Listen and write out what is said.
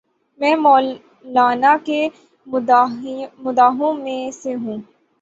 میں مولانا کے مداحوں میں سے ہوں۔